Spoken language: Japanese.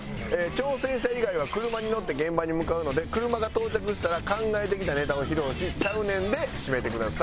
挑戦者以外は車に乗って現場に向かうので車が到着したら考えてきたネタを披露し「ちゃうねん」で締めてください。